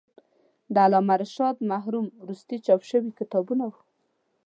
د علامه رشاد مرحوم وروستي چاپ شوي کتابونه و.